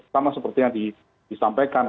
sama seperti yang disampaikan